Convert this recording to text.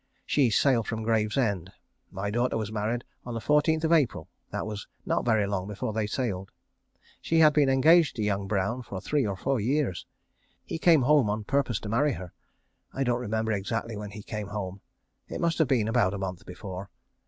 She sailed from Gravesend. My daughter was married on the 14th of April. That was not very long before they sailed. She had been engaged to young Brown for three or four years. He came home on purpose to marry her. I don't remember exactly when he came home. It must have been about a month before.